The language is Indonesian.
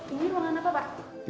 ini rumahnya apa pak